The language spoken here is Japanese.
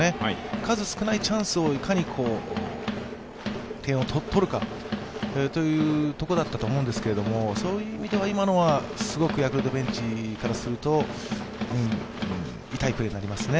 数少ないチャンスをいかに点を取るかというところだったと思うんですがそういう意味では、今のはすごくヤクルトベンチからすると痛いプレーになりますね。